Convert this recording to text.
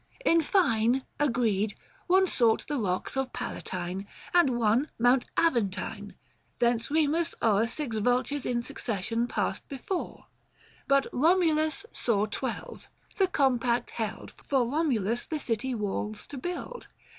In fine, Agreed, one sought the rocks of Palatine, And one Mount Aventine : thence Kemus o'er, Six vultures in succession passed before, But Romulus saw twelve : the compact held 945 For Romulus the city walls to build.